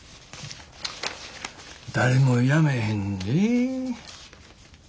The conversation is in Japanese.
誰も辞めへんで。